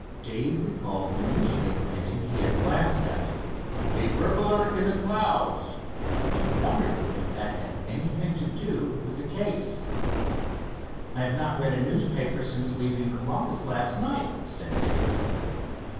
Dave recalled the newspaper heading he had glanced at, "A Burglar In The Clouds," and wondered if that had anything to do with the case. "I have not read a newspaper since leaving Columbus last night," said Dave.